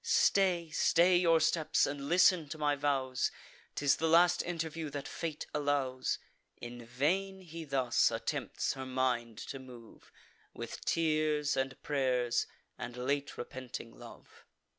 Stay, stay your steps, and listen to my vows: 'Tis the last interview that fate allows!" In vain he thus attempts her mind to move With tears, and pray'rs, and late repenting love.